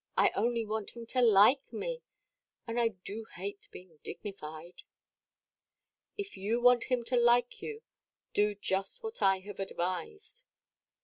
I only want him to like me. And I do hate being dignified." "If you want him to like you, do just what I have advised."